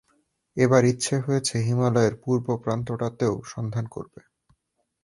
এবার ইচ্ছে হয়েছে, হিমালয়ের পূর্বপ্রান্তটাতেও সন্ধান করবে।